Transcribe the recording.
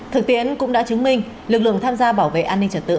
thực tiễn cũng đã chứng minh lực lượng tham gia bảo vệ an ninh trật tự